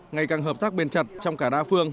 ngày càng hợp tác bền chặt trong cả đa phương